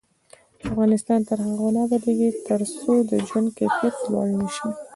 افغانستان تر هغو نه ابادیږي، ترڅو د ژوند کیفیت لوړ نشي.